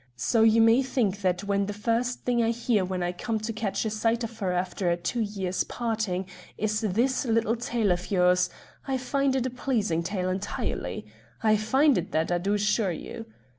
So you may think that when the first thing I hear, when I come to catch a sight of her after a two years' parting, is this little tale of yours, I find it a pleasing tale entirely. I find it that, I do assure you.